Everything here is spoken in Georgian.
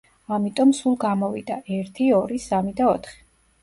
ამიტომ, სულ გამოვიდა: ერთი, ორი, სამი და ოთხი.